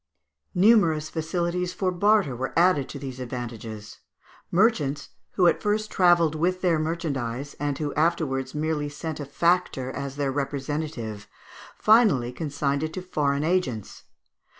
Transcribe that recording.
Numerous facilities for barter were added to these advantages. Merchants, who at first travelled with their merchandise, and who afterwards merely sent a factor as their representative, finally consigned it to foreign agents.